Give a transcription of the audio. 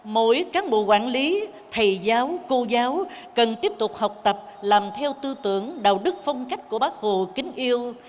mỗi cán bộ quản lý thầy giáo cô giáo cần tiếp tục học tập làm theo tư tưởng đạo đức phong cách của bác hồ kính yêu